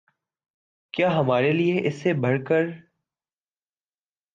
کیا ہمارے لیے اس سے بڑھ کر